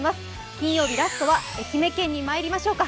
金曜日、ラストは愛媛県にまいりましょうか。